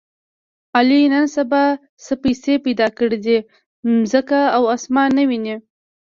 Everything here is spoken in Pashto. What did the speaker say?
علي نن سبا څه پیسې پیدا کړې دي، ځمکه او اسمان نه ویني.